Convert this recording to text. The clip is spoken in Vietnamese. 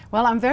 mọi lần đối diện